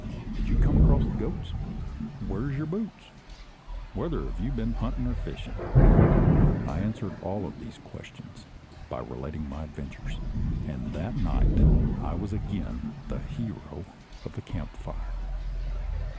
"Did you come across the `goats'?" "Where's your boots?" "Whether have you been hunting or fishing?" I answered all these questions by relating my adventures; and that night I was again the hero of the camp fire.